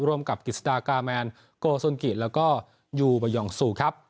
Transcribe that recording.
ร่วมกับกิจสดากาแมนโกซนกิแล้วก็ยูบายองซูครับ